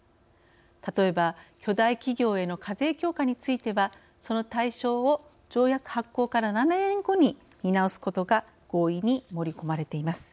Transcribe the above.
例えば巨大企業への課税強化についてはその対象を条約発効から７年後に見直すことが合意に盛り込まれています。